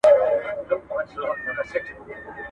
ږغ ده محترم ناشناس صاحب.